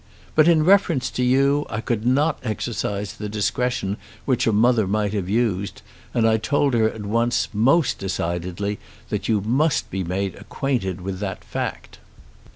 But, in reference to you, I could not exercise the discretion which a mother might have used, and I told her at once, most decidedly, that you must be made acquainted with the fact.